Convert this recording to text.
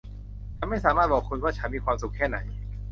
ฉันไม่สามารถบอกคุณว่าฉันมีความสุขแค่ไหน